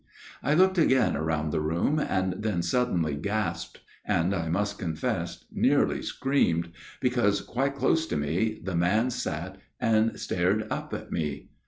f "I looked again round the room and then sud denly gasped, and I must confess, nearly screamed, >ecause, quite close to me, the man sat and stared up at me.